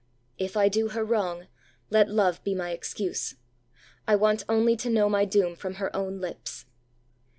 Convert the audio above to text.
If I do her wrong, let love be my excuse. I want only to know my doom from her own lips.